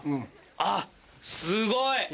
あっすごい！